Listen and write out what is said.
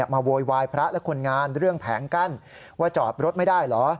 โวยวายพระและคนงานเรื่องแผงกั้นว่าจอดรถไม่ได้เหรอ